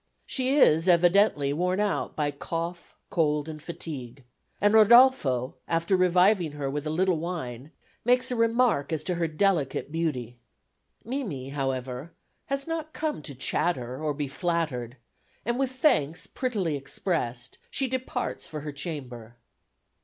She is evidently worn out by cough, cold and fatigue, and Rodolfo, after reviving her with a little wine, makes a remark as to her delicate beauty. Mimi, however, has not come to chatter or to be flattered, and with thanks, prettily expressed, she departs for her chamber.